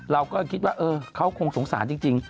เราก็คิดว่าเขาคงสงสารจริง